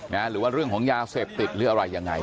หรือว่าเรื่องของยาเสพติดหรืออะไรยังไง